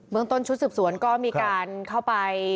เมืองต้นชุดสืบสวนก็มีการเข้าไป